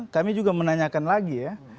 kami juga menanyakan lagi ya